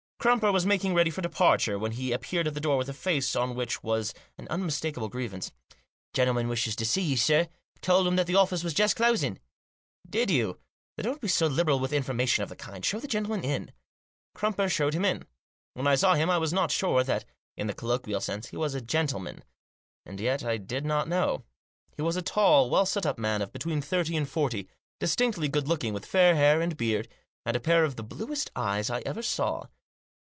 Crumper was making ready for departure, when he appeared at the door with a face on which was an unmistakable grievance. > 172 THE JOSS. " Gentleman wishes to see you, sir. Told him that the office was just closing." " Did you ? Then don't be so liberal with informa tion of the kind. Show the gentleman in." Crumper showed him in. When I saw him I was not sure that, in the colloquial sense, he was a gentle man. And yet I did not know. He was a tall, well set up man of between thirty and forty, distinctly good looking, with fair hair and beard, and a pair of the bluest eyes I ever saw.